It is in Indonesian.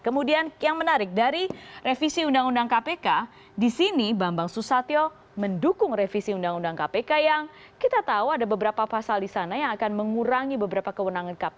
kemudian yang menarik dari revisi undang undang kpk di sini bambang susatyo mendukung revisi undang undang kpk yang kita tahu ada beberapa pasal di sana yang akan mengurangi beberapa kewenangan kpk